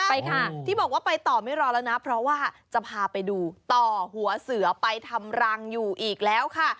ไปค่ะที่บอกว่าไปต่อไม่รอแล้วนะเพราะว่าจะพาไปดูต่อหัวเสือไปทำรังอยู่อีกแล้วค่ะ